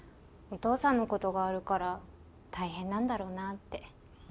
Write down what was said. お父さんのことがあるから大変なんだろうなって。